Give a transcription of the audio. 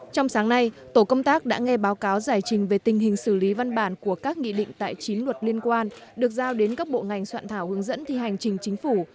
trong sáng nay tổ công tác đã nghe báo cáo giải trình về tình hình xử lý văn bản của các nghị định tại chín luật liên quan được giao đến các bộ ngành soạn thảo hướng dẫn thi hành trình chính phủ